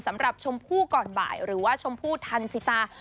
ชมพู่ก่อนบ่ายหรือว่าชมพู่ทันสิตา